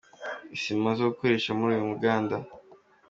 Isima zo gukoresha muri uyu muganda.